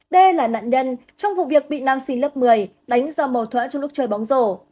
d là nạn nhân trong vụ việc bị nam sinh lớp một mươi đánh do mầu thỏa trong lúc chơi bóng rổ